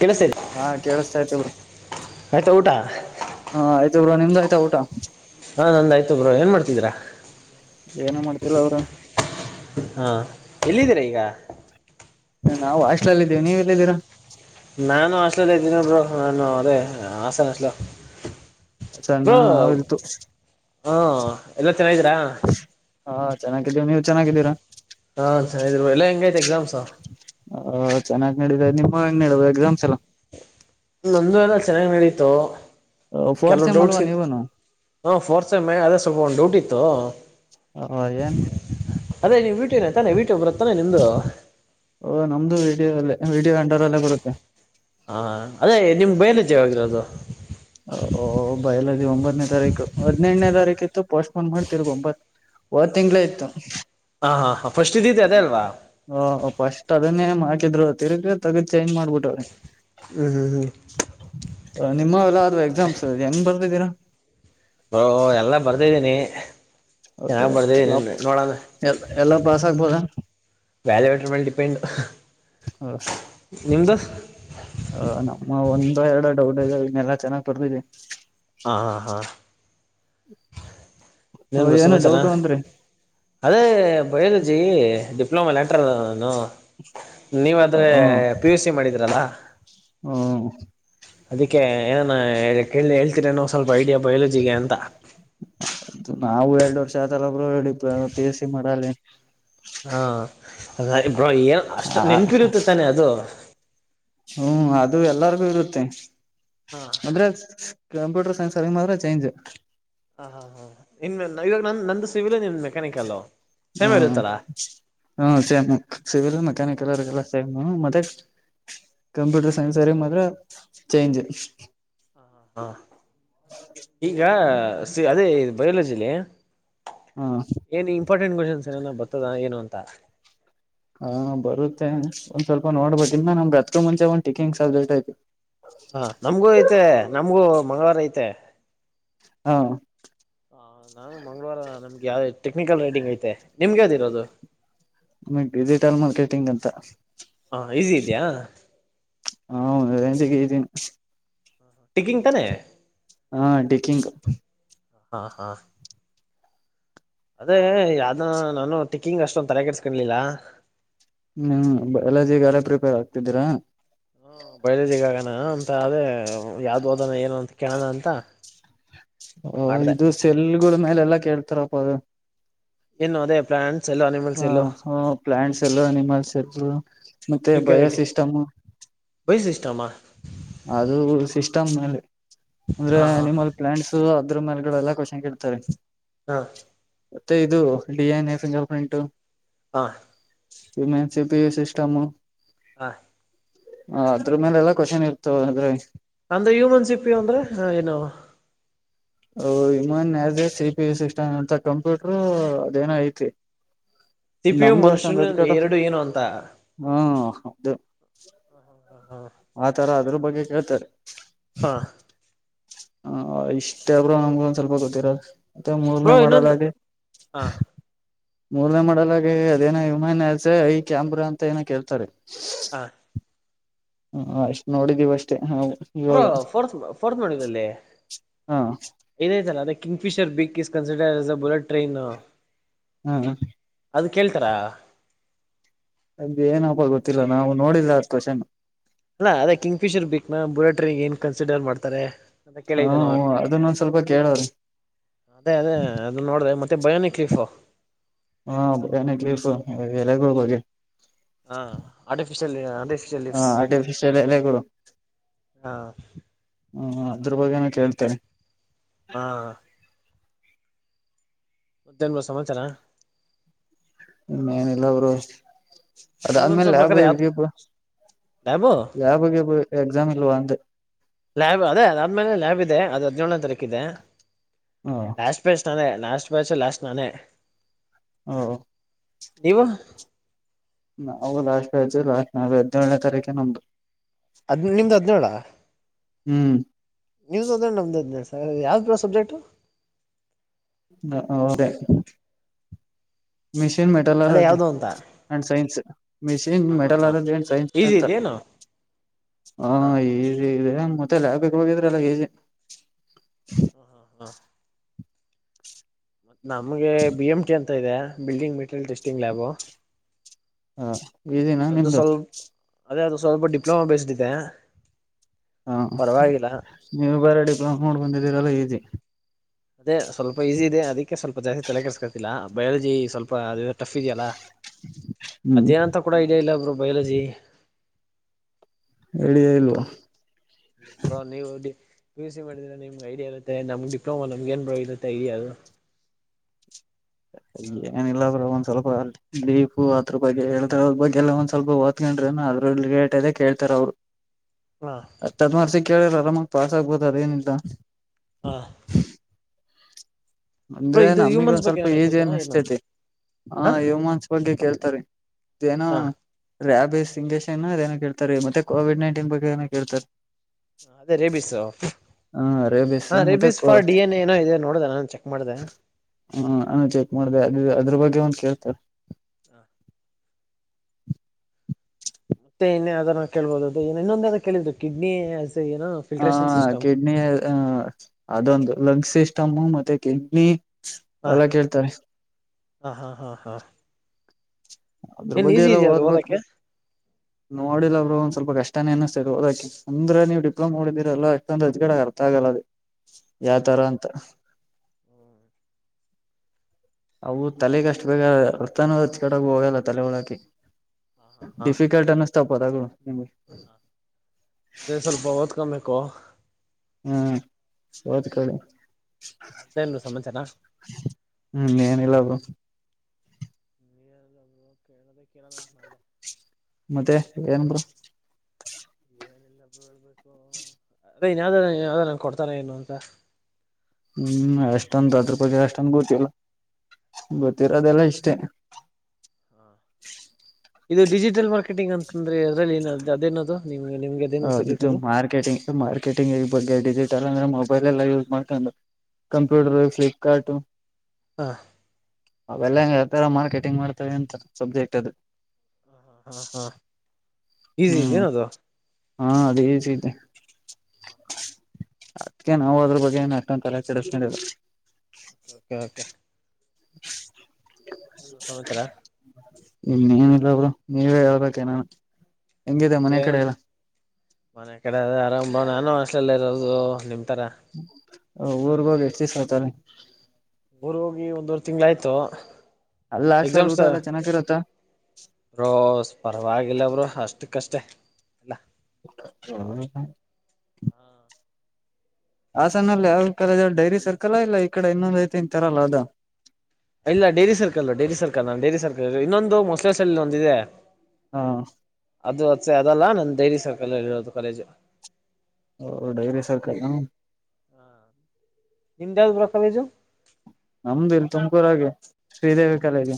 ಕೇಳಿಸ್ತಿದೆ ಹಾ ಕೇಳಸ್ತಾ ಐತೆ ಬಿಡು ಆಯ್ತಾ ಊಟಾ ಹಾ ಆಯ್ತು ಬ್ರೋ ನಿಮ್ದ ಆಯ್ತಾ ಊಟ ಹಾ ನಂದ ಆಯ್ತು ಬ್ರೋ ಏನ್ ಮಾಡ್ತೀದರ ಏನ ಮಾಡ್ತಿಲ್ಲ ಬ್ರೋ ಹಾಂ ಎಲ್ಲಿದ್ದೀರಾ ಈಗ ನಾವು ಹಾಸ್ಟ್ಲಲ್ಲ ಇದ್ದೀವಿ ನೀವ್ ಎಲ್ಲಿದ್ದೀರಾ ನಾನು ಆಷ್ಟಲ ಇದ್ದೀನಿ ಬ್ರೋ ನಾನು ಅದೇ ಹಸನ್ ಹಸ್ಟಲು ಚೆಣ್ಣ ನ ವರುತು ಹಾ ಎಲ್ಲಾ ಚೆನಗಿದಿರಾ ನೀವು ಚೆನಗಿದಿರಾ ಹಾ ಚೆನಗಿದಿವಿ ಬ್ರೋ ಎಲ್ಲಾ ಹೆಂಗೈತು ಎಕ್ಸಾಮ್ಸ ಹ ಚೆನ್ನಾಗ್ ನಡಿತಿದೆ ನಿಮ್ಮವ ಹೆಂಗ್ ನಡಿತಿದೆ ಎಕ್ಸಾಮ್ಸ್ ಎಲ್ಲಾ ನಂದು ಎಲ್ಲ ಚೆನ್ನಾಗ್ ನಡೀತು ಫೋರ್ತ್ ಕೆಲವು ಸೆಮ್ ಅಲ್ವಾ ಡೌಟ್ಸ್ ಇತ್ತ ನೀವುನು ಹ ಫೋರ್ತ್ ಸೆಮ್ಮೆ ಅದೇ ಸ್ವಲ್ಪ ಒಂದು ಡೌಟ್ ಇತ್ತು ಹ ಹ ಏನು ಅದೇ ನೀವು ವಿಟಿಯು ನೇ ತಾನೆ ವಿಟಿಯು ನೇ ಬರುತ್ತೆ ತಾನೆ ನಿಮ್ದು ಓ ನಮ್ದು ವಿಟಿಯು ಅಲ್ಲೇ ವಿಟಿಯು ಅಂಡರಲ್ಲೇ ಬರುತ್ತೆ ಹಾ ಅದೇ ನಿಮ್ ಬಯಲೆಜೀ ಯಾವಾಗಿರೋದು ಒ ಬಯಲಜಿ ಒಂಬತನೇ ತಾರೀಕು ಹದನಐದನೇ ಕಿತ್ತು ಪೋಸ್ಟಪಾನ್ ಮಾಡ್ ತಿರ್ಗ ಒಂಬತ್ ಹೋದ ತಿಂಗಳೆ ಇತ್ತು ಹಾ ಹಾ ಹ ಫಸ್ಟ್ ಇದ್ದಿದ್ ಅದೇ ಅಲ್ವಾ ಹ ಫಸ್ಟ್ ಅದನ್ನೇ ಮಾಡಾಕಿದ್ರು ತಿರ್ಗ ತಗ ಚಂಜ ಮಾಡಬಿಟ್ಟವ್ರಿ ಹ್ಞೂ ಹ್ಞೂ ಹ್ಞೂ ನಿಮ್ಮ ಎಲ್ಲ ಅದು ಎಕ್ಸಾಮ್ಸ್ ಹೆಂಗ್ ಬರ್ತಿದ್ದೀರಾ ಹ ಎಲ್ಲ ಬರ್ದಿದ್ದೀನಿ ಚೆನ್ನಾಗಿ ಎಲ್ಲ ಬರ್ದಿದೀನಿ ನೋಡೋಣ ಎ ಎಲ್ಲಾ ಪಾಸ್ ಆಗ್ಬೋದಾ ವ್ಯಾಲ್ಯೂಟರ್ ಮೇಲೆ ಡಿಪೆಂಡ್ ನಿಮ್ದು ಹ ನಮ್ಮ ಒಂದ ಎರಡು ಡೌಡೆ ಇನ್ನೆಲ್ಲಾ ಚೆನ್ನಾಗ್ ಬರ್ದಿದೆ ಹಾಂ ಹಾಂ ಹಾಂ ನ ಏನ ಸುಮಸಾರಾ ಡೌಟು ಅಂದ್ರಿ ಅದೇ ಬಯ ಜಿ ಡಿಪ್ಲೋಮ ಲಲೆಕ್ಟರ್ಣ ನೀವಾದ್ರೆ ಪಿ ಯು ಸಿ ಮಾಡಿದ್ರಲ್ಲ ಹ್ಮ ಅದಿಕ್ಕೆ ಏನಾನ ಕೇಳ ಹೇಳ್ತರ ನೋ ಸ್ವಲ್ಪ ಐಡಿಯಾ ಬಯೋಲಜಿಗೆ ಅಂತ ನಾವು ಎರಡು ವರ್ಷ ಆತರ ಒಬ್ರು ಹೇಳಿ ಪಿ ಎಸ್ ಸಿ ಮಾಡಾಲ ಹಾ ಅ ಹ ಏ ಅಷ್ಟು ನೆನ್ಪಿರುತ್ತೆ ತಾನೆ ಅದು ಹ್ಮ್ ಅದು ಎಲ್ಲರಿಗು ಇರುತ್ತೆ ಹಾಂ ಅ್ರೆ ಕಂಪ್ಯೂಟರ್ ಸೈನ್ಸ್ಗೆ ಮಾತ್ರ ಚೇಂಜ್ ಹ ಹಾ ಹಾ ಇನ್ ಇವಾಗ ನನ್ ನಂದು ಸಿವ ಹ್ಮ ಹ ಸಿವಿಲ್ ಮೆಕ್ಯಾನಿಕಲ್ಲ್ಲ ಮತ್ತೆ ಕಂಪ್ಯೂಟರ್ ಸೈನ್ಸ್ರಿ ಮಾತ್ರ ಚೇಂಜ್ ಹ ಹಾ ಈಗ ಅದೇ ಬಯಲಜಿಲಿ ಹ ಏನ್ ಇಂಪಾರ್ಟೆಂಟ್ ಕ್ವೆಶನ್ಸ್ ಏನ ಬರ್ತದ ಏನು ಅಂತ ಹಾ ಬರುತ್ತೆ ಒಂದ್ ಸ್ವಲ್ಪ ನೋಡ್ಬೋದನ್ನ ನಮ್್ರತ್ಕ ಮುಂಚೆ ಒಂದ್ ಟೀಕಿಂಗ್ ಸಬ್ಜೆಕ್ಟ್ ಆಯ್ತು ಹಾ ನಮ್ಗೂ ಐತೆ ನಮ್ಗೂ ಮಂಗಗಳವಾರ ಐತೆ ಹ ಹ ನಾನು ಮಂಗಳವಾರ ನಮ್ಗೆ ಯಾವ ಟೆಕ್ನಿಕಲ್ ರೈಟಿಂಗ್ ಐತೆ ನಿಮ್ಗೆ ಯಾವ್ದಿ ಇರೋ ಅದು ಮ ಡಿಜಿಟಲ್ ಮಾರ್ಕೆಟಿಂಗ್ ಅಂತ ಹ ಈಸಿ ಇದೆಯಾ ಹಾ ಹೌದಂತಗತ ಟಗಿಂಗ್ ತೆ ಹಾ ಡಕ್ಕಿಂಗ್ ಹಾ ಹಾ ಅದೇ ಯಾವ ನಾನು ಟಕ್ಕಿಂಗ್ ಅಷ್ಟೊಂದು ತರ ಕೆಸ್ಕೊಂಡಲಿಲ್ಲ ಹ್ಮ್ ಎಲ್ಲದ ಈಗ ಎಲ್ಲ ಪ್ರಿಪೇರ್ ಆಗ್ತಿದ್ದೀರಾ ಹ ಬಯಳದಿಗಗಣ ಅಂತ ಅದೇ ಯಾವ್ದು ಹೋದನ ಏನ ಅಂತ ಕೇಳೋಣ ಅಂತ ಹ ಮಾಡ್ದ ಇದು ಸೆಲ್ ಮೇಲೆ ಎಲ್ಲಾ ಕೇಳ್ತಾರಪ್ಪ ಅದು ಏನು ಅದೇ ಪ್ರಾನ್ಸ್ ಹ ಹ ಪ್ಲಾಂಟ್ಸ್ ಎಲ್ಲರು ಅನಿಮಲ್ಸ್ ಎಲ್ಲರು ಮತ್ತೆ ಬಯೋಸಿಸ್ಟಮ್ [inaudible] ಬೈ ಸಿಸ್ಟಮಾ ಅದು ಸಿಸ್ಟಮ್ ಮೇಲೆ ಅಂದ್ರೆ ಹಾ ಹಾ ಹಾ ನಿಮ್ಮಲ್ ಪ್ಲಯಾಂಟ್ಸ್ ಇದ್ರ ಮಲ್ಗಳು ಎಲ್ಲ ಷಂ ಇಡ್ತಾರೆ ಹಾ ಮತ್ತೆ ಇದು ಡಿ ಎನ್ ಎಫಂಗಲ್ ಪ್ರಿಂಟ್ ಹ ಸಮೆನ್ಸೆಪಿ ಸಿಸಟಮು ಹಾ ಹ ಅದ್ರ ಮೇಲೆ ಎಲ್ಲಾ ಖಷನ್ ಇರ್ತ ಆದ್ರೆ ಅಂದ್ರ ಹ್ಯೂಮನ್ಸ್ ಇಪ್ಪಿಯು ಅಂದ್ರೆ ಏನು ಇಮಾನ್ ಸಿಪಿ ಸಿಸ್ಟಮ್ ಅಂತ ಕಂಪ್ಯೂಟರು ಅದೇನೋ ಐತಿ ಸಿಪಿಯು ನಮಗೂ ಮನುಷ್ಯನ ಅಷ್ಟೊಂದ ಅ ಕಟ ಎರಡು ಏನು ಅಂತ ಹ್ಮ ದು ಹಾ ಹಾ ಅದ್ರ ಬಗ್ಗೆ ಕೇಳ್ತಾರೆ ಹಾ ಹ ಇಷ್ಟಬ್ರು ನಮ್ಗು ಒಂದ ಸ್ವಲ್ಪ ಗೊತ್ತಿರ ಮತ್ತೆ ಮೂರನೇ ಬ್ರೋ ಮಾಡದ ಇನ್ನೊಂದು ಹಾಗೆ ಹ ಮೂರನೇ ಮಾಡಲ್ಾಗ ಅದೇನ ಯಮನ್ಸ ಐ ಕ್ಯಾಮ್ರಾ ಅಂತ ಏನ ಕೇಳ್ತಾರೆ ಹಾ ಹ ಎಷ್ಟ್ ನೋಡಿದೀವಿ ಅಷ್ಟೇ ಹಾ ಪುರ ಫೋರ್ತ್ ಫೋರ್ತ್ ಮಾಡಿದಲ್ಲಿ ಹಾ ಇದಾಯ್ತಲ್ಲ ಅದೇ Kingfisher big kiss considers ಅ ಬುಲೆಟ್ ಟ್ರೈನ್ ಹಾ ಅದು ಕೇಳ್ತಾರಾ ಅ ಏನಪ್ಪ ಗೊತ್ತಿಲ್ಲ ನಾವು ನೋಡಿದ ಅಕಷನ. ಅಲ್ಲಾ ಅದೇ ಕಿಂಗ್ ಫಿಶರ್ ಬಕ್ನಾ ಬುಲೆಟ್ರ ಏನ್ ಕನ್ಸಿಡರ್ ಮಾಡ್ತಾರೆ. ಹ ಕೇಳಿದ್ದಲ್ಲ ಅವ ಅದನ್ನೊಂದ್ ಸ್ವಲ್ಪ ಕೇಳವ್ರಿ ಅದೇ ಅದೇ ಅದು ನೋಡ್ರೆ ಮತ್ತೆ. ಬಯಾನಿಕಲಿಫ. ಹಾ [unintelligible] ಎಲ್ಲಗ ಹೋಗಗೆ. ಹಾ ಆರ್ಟಿಫಿಷಲ್ ಆರ್ಟಿಫಿಶಿಯಲ್ ಹ ಲೀಫ್ಸ್. ಆರ್ಟಿಫಿಶಿಯಲ್ ಎಲೆಗಳು ಹಾ. ಹ್ಮ ಅದ್ರ ಬಗ್ಗೆನ ಕೇಳ್ತೆೇನೆ. ಹಾ. ಮತ್ತೇನ್ ಬ್ರೋ ಸಮಾಚಾರ. ಹ್ಮ ಏನಿಲ್ಲ ಬ್ರೋ. ನಿಮ್ಗ ಅದಾದ್ಮೇಲೆ ಅನ್ಸೋ ಲ್ಯಾಬ್ ಪ್ರಕಾರ ಯಾವ್ದ್ ಲ್ಯಾಬು ಲ್ಯಾಬ್ಗ ಎಕ್ಸಾಮ್ ಇಲ್ವಾ. [unintelligible] ಲ್ಯಾಬ್ ಅದೇ ಅದಾದ್ಮೇಲೆ ಲ್ಯಾಬ್ ಇದೆ ಅದು ಹದಿನೇಳನೇ ತಾರೀಕು ಇದೆ ಓ ಲಾಸ್ಟ್ ಪೇಸ್ಟ್ ತಾನೆ. ಲಾಸ್ಟ್ ಬ್ಯಾಚ್ ಲಾಸ್ ನಾನೆ. ಹೂ. ವೂ ನಾವು ಲಾಸ್ಟ್ ಆಯ್ತುವಿ ಲಾಸ್ಟ್ ನ ಹದಿನೇಳನೇ ತಾರೀಕ ನಮ್ದು. ಹದ್ ನಿಮ್ದು ಹದ್ನೇಳ ಹ್ಮ್ ನಿಮ್ದು ಹದಿನೇಳ ನಿಮ್ದು ಹದ್ನೇಳ. ಯಾವ್ದ ಸಬ್ಜೆಕ್ಟು. ಹದ ಮಿಷನ್ ಮೆಟಲ್ಲ ರ ಅಲ್ಲೇ ಅದು. ಯಾವ್ದು ಅಂತ ಅಂಡ್ ಸೈನ್ಸ್ ಮೆಷಿನ್ ಹಾ ಹಾ ಮೆಡಲ್ ಹಾ ಆದ್ದಂಡ್ ಸೈನ್ಸ್ ಈಸಿ ಅಂತ. ಇದೇನು ಹಾ ಈ ಇ ಮತ್ತೆಲ್ಲ ಲ್ಯಾಬಿಗೆ ಹೋಗಿದ್ರಲ್ಲ ಏ ಜಿ. ಹ ಹಾ ಹಾ. ಮತ್ತ ನಮ್ಗೆ ಬಿ ಎಂ ಟ ಅಂತ ಇದೆ ಬಿಲ್ಡಿಂಗ್ ಬಿಲ್. Testing lab. ಹ ಈಸಿನಾ ನಿಮ್ದು ಅದೇ ಅದು ಸ್ವಲ್ಪ ಡಿಪ್ಲೋಮಾ ಬೇಸಿಡಿದೆ. ಹಾ ನೀವು ಬೇರ ಡಿಪ್ಲೊಮಾ ಮಾಡೋ ಬಂದಿದ್ದೀರಲ್ಲ ಈಜಿ. ಅದೇ ಸ್ವಲ್ಪ ಈಸಿ ಇದೆ ಅದಕ್ಕೆ ಸ್ವಲ್ಪ ಜಾಸ್ತಿ ತಲೆ ಕೆರ್ಸ್ಕತಿಲ್ಲ ಬಯಾಲಜಿ ಸ್ವಲ್ಪ ಅದು ಟಫ್ ಇದೆಯಲ್ಲಾ. ಹ್ಮ್ ಅದೇ ಏನಂತ ಕೂಡ ಐಡಿಯಾ ಇಲ್ಲ ಬ್ರೋ ಬಯಲಾಜಿ. ಐಡಿಯಾ ಇಲ್ವ. ಬ್ರೋ ನೀವುಡಿ. ಪಿ ಎಸ್ ಸಿ ಮಾಡಿದ್ರ ನಿಮ್ಗೆ ಐಡಿಯಾ ಇರುತ್ತೆ ನಮಗ್ ಡಿಪ್ಲೊಮಾ ನಮ್ಗೆ ಏನ್ ಬೋ ಇರುತ್ತೆ ಐಡಿಯಾ ಅದು. ಹಾ ಏನಿಲ್ಲಾ ಬ್ರೋ ಒಂದ. ಸ್ವಲ್ಪ ಲೀಫು ಅದ್ರ ಬಗ್ಗೆ ಹೇತದ್ರ ಬಗ್ಗೆಲ್ಲ ಒಂದ ಸ್ವಲ್ಪ ಓದ್ಕೊಂಡ್ರ ಅದ್ರ ಲೇಟ್ ಅದೆ ಕೇಳ್ತ. ಹಾ ಹತ್ತ ಹದ್ ಮರ್ಸಿ ಕೇಳ್ರ ಆರಾಮಾಗ ಪಾಸ್ ಆಗ್ಬೋದು ಅದೇನಿಲ್ಲ. ಹಾ. ಬ್ರೋ ಅಂದ್ರೆ ಇದು ನಮಗ ಹ್ಯೂಮನ್ಸ್ ಒಂದ್ ಬಗ್ಗೆ ಸ್ವಲ್ಪ ಏನ ಈಸಿ ಕೇಳ್ತಾರಾ ಏನು ಅನ್ನುಸ್ತೈತೆ. ಹ ಯೋಮಾಸ್ ಬಗ್ಗೆ ಕೇಳ್ತಾರೆ ಏನ ಹಾ ರೇಬಿಸ್. ಇಂಜೆಕ್ಷನ್ ಮತ್ತೆ ಏನು ಕೇತಾರೆ ಮತ್ತೆ ಕೋವಿಡ್ ನೈನ್ಟನ್ ಬಗ್ ಏನೋ ಕೇಳ್ತಾರೆ. ಅದೇ ರೇಬಿಸ್ ಹ ರೇಬಿಸ್ ಹ ರೇಬಿಸಸ್ ಫಾರ್ ಡಿ ಎನ್ ಎ ಏನೋ ಇ ನೋಡ ನ ಚ. ಹ್ಮ ನಾನು ಚೆಕ್ ಮಾಡದ. ಅದ್ರ ಬಗ್ಗೆ ಒಂದ ಕೇಳ್ತಾರೆ. ಮತ್ತೆ ಇನ್ನೇ ಅದನ್ನ ಕೇಬೋದು ಇನ್ನೊಂದೇನ ಕೇಳಿದ್ರು ಕಿಡ್ನಿ. ಏನೋ ಆ ಫಿಲ್ಟ್ರೇಷನ್ ಸಿಸ್ಟಮ್ ಕಿಡ್ನಿ ಅದೊಂದು ಲಂಗ್ಸ್ ಸಿಸ್ಟಮು ಮತ್ತೆ ಕಿಡ್ನಿ. ಹಾ ಎಲ್ಲ ಕೇಳ್ತಾರೆ ಹಾ ಹಾ ಹಾ ಹಾ. ಅದ್ರ ಏನ್ ಬಗ್ಗೆ ಈಸಿ ಎಲ್ಲ ಇದೆಯಾ ಅದು ಓದ್ಬೇಕು ಓದಕ್ಕೆ ನೋಡಿಲ್ಲಬ್ರು ಒಂದ ಸ್ವಲ್ಪ ಕಷ್ಟ. ಕಷ್ಟಗಳ ಅನುಷ್ಠದ ಓದಕ್ಕೆ ಅಂದ್ರ ನೀವು ಡಿಪ್ಲೋಮಾ ಮಾಡಡಿದಿರಲ್ಲ ಯಾಕಂದ್ರ ಅ ಅರ್ಥ ಆಗಲ್ಲದೆ. ಹಾ ಯಾತರ ಅಂತ. ಅವು ತಲೆಗಷ್ಟು ಬೇಗ ವೃತಾನ ಕಡಗ ಹೋಗಲ್ಲ ತಲೆ ಒಳಕೆ. ಹಾ ಹಾ ಹಾ ಡಿಫಿಕಲ್ಟ್ ಅನ್ನಿಸ್ತಾಪ್ಪದಗಳು ನಿಮ್ಗೆ ಅದೇ ಸ್ವಲ್ಪ ದಕಮ್ಮೇಕು [unintelligible] ಹ್ಮ ಮತ್ತೇನು ಸಮಾಚಾರ ಏನಿಲ್ಲ ಬ್ರೋ ಮದೇ ಕೇಳದಂತ ಮಾಡ್ದ ಮತ್ತೆ ಏನರು ಏಲ್ಲ ಹೇಳ್ಬೇಕು ಅದೇನ್ಯಾವ್ದ ಯಾವ್ದ ಕೊಡ್ತಾರ ಏನು ಅಂತ ಹ್ಮ್ ಅಷ್ಟಂದು ಅದ್ರ ಪಕ್ಷ ಅಷ್ಟಂದು ಗೊತಲ್ಲ ಹಾ ಗೊತ್ತೀರ ಅದೆಲ್ಲ ಇಷ್ಟೇ ಹಾ ಇದು ಡಿಜಿಟಲ್ ಮಾರ್ಕೆಟಿಂಗ್ ಅಂತಂದ್ರೆ ಅದ್ರಲ್ಲಿ ಏನ ಅದೇನದು ನಿಮ ಹ ಇದು ಮಾರ್ಕೆಟಿಂಗ್ ಮಾರ್ಕೆಟಿಂಗ್ ಈ ಬಗ್ಗೆ ಡಿಜಿಟಲ್ ಅಂದ್ರೆ ಮೊಬೈಲ್ ಎಲ್ಲಾ ಯೂಸ್ ಮಾಡ್ಕೊಂಡು ಕಂಪ್ಯೂಟರ್ ಫ್ಲಲಿಪ್ಕಾರ್ಟ ಹಾ ಅವೆಲ್ಲ ಹೆಂಗಗೆ ಹೇತಾರ ಮಾರ್ಕೆಟಿಂಗ್ ಮಾಡ್ತವೆ ಅಂತ ಸಬ್ಜೆಕ್ಟ್ ಅದು ಹ ಹಾ ಹಾ ಈಸಿ ಇದೇನದು [unintelligible] ಅಕ್ಕಕ್ಕೆ ನಾವು ಅದ್ರ ಬಗ್ಗೆಏ ಅಕ್ಕಂತರ ಕೆಡಿಸ್ ನ್ ಓಕ ಕೆ ಓಕೆ [inaudible] ನಏ ಸಮಾಚಾರ ಇ ನಿಲ್ಲಬ್ರು ನೀವೇ ಯಾವದಕ್ಕ ನಾನು ಏನ್ ಮನೆ ಕಡೆ ಅ ಆರಾಮ್ ಬ ನಾನು ಹಾಸ್ಟೆಲ್ಲೇ ಇರೋದು ನಿಮ ಹ ಊರ್ಗ ಭೇಡ್ತಿ ಸ್ತಾರೆ ಊರು ಹೋಗಿ ಒಂದೂವರ್ ತಿಂಗ್ಳ ಆಯ್ತು ಅಲ್ಲಿ ಎಮ್ ಲಾಸ್ಟ್ಲಲ್ಲಿ ಊಟ ಎಲ್ಲ ಚೆನ್ನಾಗಿರುತ್ತಾ ರೋ ಪವಾಗಿ ಆಲ್ಲಬ್ರು ಅಷ್ಟು ಕಷ್ಟೇ ಎಲ್ಲ ಹ್ಮ ಹಾಸನಲ್ಲಿ ಯಾವ ಕಾಲ ಡೈರಿ ಸರ್ಕಲ್ ಇಲ್ಲ ಈ ಕಡೆ ಇನ್ನೊಂದ ಐತಿ ಇನ್ ತರಲ್ಲ ಅದ ಇಲ್ಲ ಡೈರಿ ಸರ್ಕಲ್ ಡೈರಿ ಸರ್ಕಲ್ ನಾನು ಡೈರಿ ಸರ್ಕಲ್ ಇನ್ನೊಂದು ಮೊಸಳೆ ಸಳ್ಳಲ್ಲಿ ಒಂದಿದೆ ಹಾ ಅದು ಅಸೆ ಅದಲ್ಲ ನನ್ ಡೈರಿ ಸರ್ಕಾಲಲ್ಲಿರೋದು ಕಾಲೇಜು ಹ ಡೈರಿ ಸರ್ಕ ನಿಮ ಯಾವ್ದು ಬ್ರ ಕಾಲೇಜು ನಮ್ದು ಇಲ್ ತುಮಕೂರಾಗೆ ಶ್ರೀದೇವಿ ಕಲೆಗೆ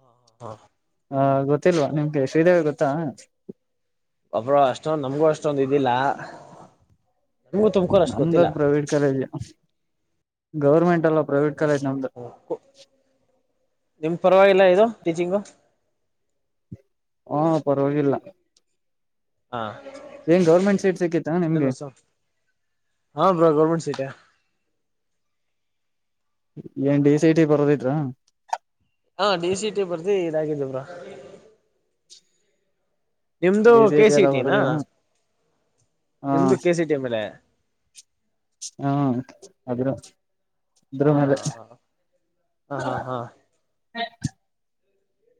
ಹಾ ಹಾ ಹಾ ಹಾ ಗೊತ್ತಿಲ್ವಾ ನಿಮ್ಗೆ ಶ್ರೀದೇವ ಗೊತ್ತಾ ಒಬ ಅಷ್ಟೊಂದ ನಮ್ಗೂ ಅಷ್ಟೊಂದ ಇದಿಲ್ಲ ನಮಗೂ ತುಮಕೂರು ಅಷ್ಟು ನಮದಾ ಗೊತ್ತಿಲ್ಲ ಪ್ರೈವೇಟ್ ಕಾಲೇಜ ಗವರ್ಮೆಂಟ್ ಅಲ್ಲ ಪ್ರೈವೇಟ್ ಕಾಲೇಜ್ ನ್ದ ನಿಮ್ ಪರವಾಗಿಲ್ಲ ಇದು ಟೀಚಿಂಗು ಹಾ ಪರವಾಗಿಲ್ಲ ಹಾ ಏನ್ ಗೌರ್ಮೆಂಟ್ ಸೀಟ್ ಸಿಕ್ಕಿತ್ತಾ ನಿಮ್ಗೆ ಹಾ ಬ್ರಾ ಗೌರ್ಮೆಂಟ್ ಸೀಟ ಏನ್ ಡಿ ಸಿ ಟಿ ಬರೋದಿದ್ರಾ ಹಾ ಡಿ ಸಿ ಟಿ ಬರ್ದ ಇದಾಗಿದ್ದಬ್ರ ನಿಮ್ದು ಡಿ ಸಿ ಕೆ ಟಿ ಎಲ್ಲ ಸಿಟಿನ ಬರದಿರ ಹಾ ನಿಮ್ದು ಕೆ ಸಿ ಟಿ ಮೇಲೆ ಹಾ ಅದ್ರ ಇದ್ರ ಹಾ ಮೇಲೆ ಹಾ ಹಾ ಹಾ ಹಾ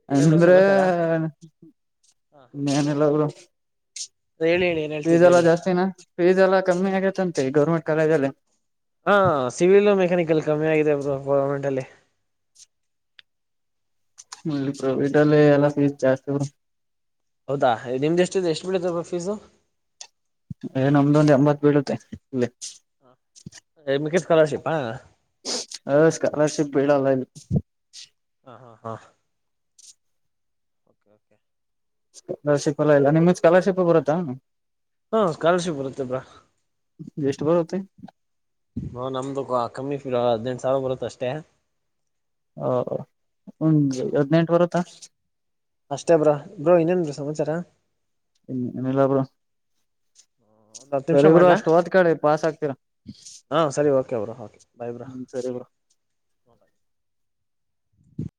ಇನ್ನೇನು ಅಂದ್ರೆ ಸಮಾಚಾರ ಮೇನೆಲ್ಲ ಅವರು ಹೇಳಿ ಹೇಳಿ ಏನ್ ಫೀಸ್ ಹೇಳ್ತಿದ್ರಿ ಎಲ್ಲ ಹೇಳಿ ಜಾಸ್ತಿನ ಫೀಸ್ ಎಲ್ಲಾ ಕಮ್ಮಿ ಆಗೇತ್ತಂತೆ ಗೌರ್ಮೆಂಟ್ ಕಾಲೇಜಲ್ಲಿ ಹಾ ಸಿವಿಲ್ ಮೆಕ್ಯಾನಿಕಲ್ ಕಮ್ಮಿ ಆಗಿದೆಬ್ರು ಗೌರ್ಮೆಂಟ್ ಅಲ್ಲಿ ಫೆವಿಟಲ್ಲಿ ಪ್ಲೀಸ್ ಜಾಸ್ತಿ ಮೇಡಂ ಹೌದಾ ನಿಮ್ದ ಎಷ್ಟಿದೆ ಎಷ್ಟು ಬಿಡತಪ್ಪ ಫೀಸು ನ್ ನಮ್ದ ಒಂದ್ ಎಂಬತ್ ಬೀಳುತ್ತೆ ಇ ಮಿಕ್ಕಿದ್ದು ಸ್ಕಾಲರ್ಶಿಪ್ಪ ಹ ಸ್ಕಾಲರ್ಷಿಪ್ ಬಿಡಲ್ಲ ಇ ಹಾ ಹಾ ಹಾ ಓಕೆ ಓಕೆ ಸ್ಕಾಲರ್ಶಿಪ್ ಎಲ್ಲ ಇಲ್ಲ ನಿಮ್ದ ಸ್ಕಾಲರ್ಶಿಪ್ ಬರುತ್ತಾ ಹಾ ಸ್ಕಾಲರ್ಶಿಪ್ ಬರುತ್ತೆಬ್ರಾ ಎಷ್ಟು ಬರುತ್ತೆ ಹ ನಮ್ದುಕ ಕಮ್ಮಿ ಫೀ ಹದ್ನನೇಂಟು ಸಾವಿರ ಬರುತ್ತ ಅಷ್ಟೇ ಹ ಹಾ ಒಂದು ಹದ್ನೆಂಟು ವರುತ್ತಾ ಅಷ್ಟೇ ಬ್ರಾ ಬ್ರೋ ಇನ್ನೇನ್ ಸಮಾಚಾರ ಹ್ಮ ಅನಲ್ಲರ ಒಂದ್ ಹತ್ತು ನಿಮಿಷ ಸರಿ ಬ್ರೋ ಮಾಡ್ಲಾ ಅಷ್ಟು ಹೊತ್ ಕಡೆ ಪಾಸ್ ಆಕ್ತೀರಾ ಹಾ ಸರಿ ಓಕೆ ಬ್ರಾ ಓಕೆ ಬಾಯ್ ಬ್ರಾ ಹ